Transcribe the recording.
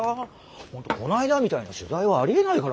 本当こないだみたいな取材はありえないからな。